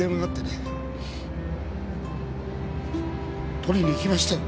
取りに行きましたよ